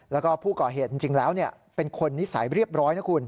แล้วก็ผู้ก่อเหตุจริงแล้วเป็นคนนิสัยเรียบร้อยนะคุณ